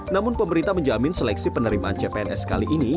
namun pemerintah menjamin seleksi penerimaan cpns kali ini